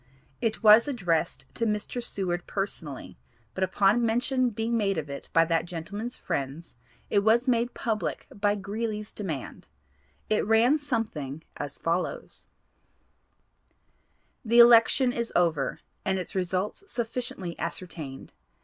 It was addressed to Mr. Seward personally, but upon mention being made of it by that gentlemen's friends, it was made public by Greeley's demand. It ran something as follows: "The election is over, and its results sufficiently ascertained.